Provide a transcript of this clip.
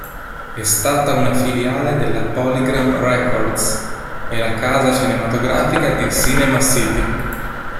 È stata una filiale della PolyGram Records e la casa cinematografica di Cinema City.